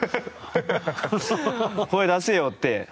声出せよ！って。